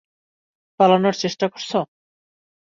পালানোর চেষ্টা করছো।